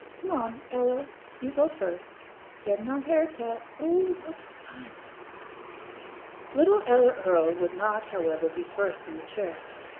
Come on, Ella; you go first. Gettin' our hair cut! Oh what fun!" Little Ella Earl would not, however, be first in the chair.